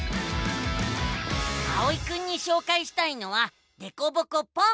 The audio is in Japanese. あおいくんにしょうかいしたいのは「でこぼこポン！」。